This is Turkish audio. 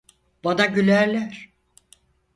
Bana gülerler.